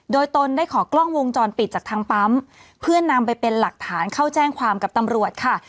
โดยตนได้ขอกล้องวงจรปิดจากทางปั๊มเพื่อนำไปเป็นหลักฐานเข้าแจ้งความกับตำรวจค่ะ